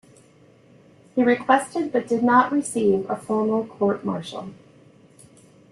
He requested, but did not receive a formal court-martial.